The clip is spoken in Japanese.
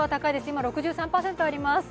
今、６３％あります。